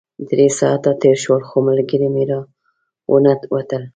درې ساعته تېر شول خو ملګري مې راونه وتل.